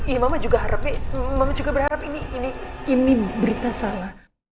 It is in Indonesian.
iya mama juga berharap ini berita salah